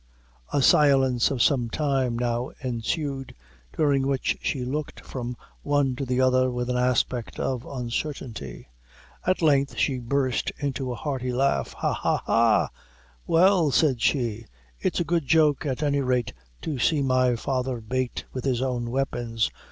A silence of some time now ensued, during which she looked from the one to the other with an aspect of uncertainty. At length, she burst into a hearty laugh "Ha, ha, ha! well," said she, "it's a good joke at any rate to see my father bate with his own weapons.